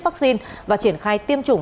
vaccine và triển khai tiêm chủng